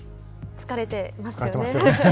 疲れてますよね。